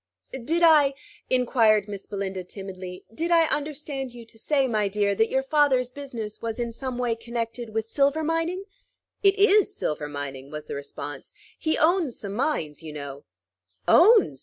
"Did I," inquired Miss Belinda timidly, "did I understand you to say, my dear, that your father's business was in some way connected with silver mining?" "It is silver mining," was the response. "He owns some mines, you know" "Owns?"